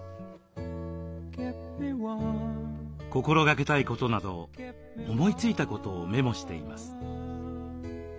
心がけたいことなど思いついことをメモしています。